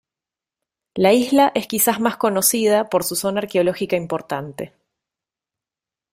La isla es quizás más conocida por su zona arqueológica importante.